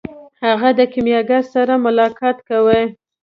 هغه د کیمیاګر سره ملاقات کوي.